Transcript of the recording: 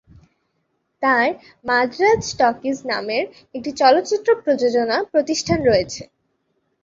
তার 'মাদ্রাজ টকিজ' নামের একটি চলচ্চিত্র প্রযোজনা প্রতিষ্ঠান আছে।